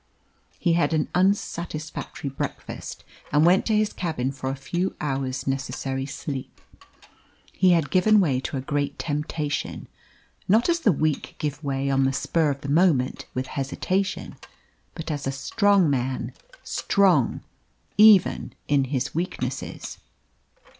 He had an unsatisfactory breakfast, and went to his cabin for a few hours' necessary sleep. He had given way to a great temptation, not as the weak give way, on the spur of the moment, with hesitation, but as a strong man strong, even in his weaknesses.